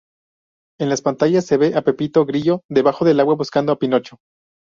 En las pantallas se ve a Pepito grillo debajo del agua buscando a Pinocho.